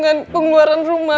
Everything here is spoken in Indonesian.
bukan pengeluaran rumah